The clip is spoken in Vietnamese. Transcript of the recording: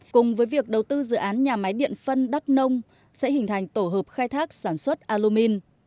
cùng với việc đầu tư dự án nhà máy điện phân đắc nông sẽ hình thành tổ hợp khai thác sản xuất alumin